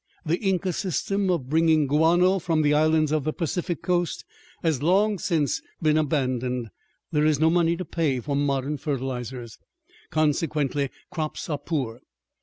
The Inca system of bringing guano from the islands of the Pacific coast has long since been abandoned. There is no money to pay for modern fertilizers. Consequently, crops are poor.